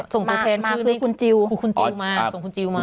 ตัวแทนมาซื้อคุณจิลคุณจิลมาส่งคุณจิลมา